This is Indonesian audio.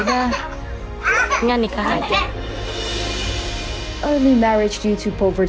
pengennya sih pengen jadi dokter